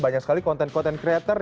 banyak sekali konten konten kreator